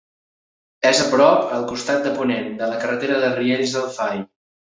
És a prop, al costat de ponent, de la carretera de Riells del Fai.